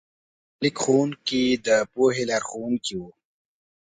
د لیک ښوونکي د پوهې لارښوونکي وو.